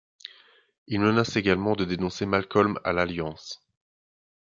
Il menace également de dénoncer Malcolm à l'Alliance.